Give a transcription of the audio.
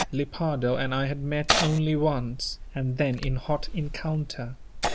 Lepardo and I had met only once, and then in hot encounter.